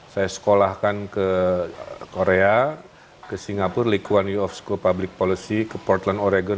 saya sekolahkan ke korea ke singapura likuan university of public policy ke portland oregon